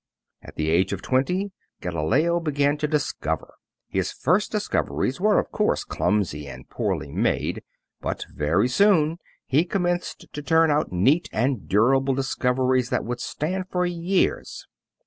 At the age of twenty Galileo began to discover. His first discoveries were, of course, clumsy and poorly made, but very soon he commenced to turn out neat and durable discoveries that would stand for years.